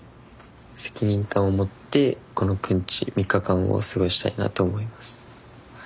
責任感を持ってこのくんち３日間を過ごしたいなと思いますはい。